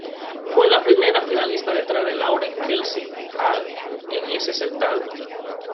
Fue la primera finalista detrás de Lauren Kelsey Hall en ese certamen.